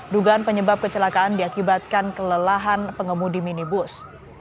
dugaan penyebab kecelakaan diakibatkan kelelahan pengemudi minibus